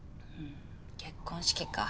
結婚式か。